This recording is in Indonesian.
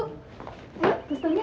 lihat terus tanya